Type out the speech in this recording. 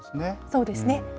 そうですね。